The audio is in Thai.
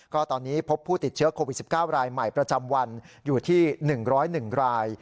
ก็ตอนนี้พบผู้ติดเชื้อโควิด๑๙รายใหม่ประจำวันอยู่ที่๑๐๑ราย